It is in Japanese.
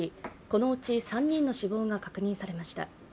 このうち３人の死亡が確認されました。